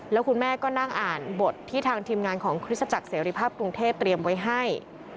แล้วคุณแม่ก็นั่งอ่านบทที่ทางทีมงานของคริสตจักรเสรีภาพกรุงเทพเตรียมไว้ให้